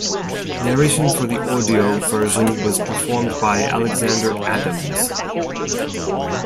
Narration for the audio version was performed by Alexander Adams.